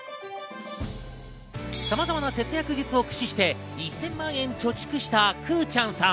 さまざまな節約術を駆使して１０００万円を貯蓄した、くぅちゃんさん。